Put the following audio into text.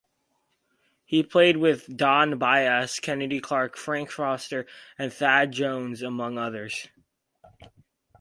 He played with Don Byas, Kenny Clarke, Frank Foster and Thad Jones, among others.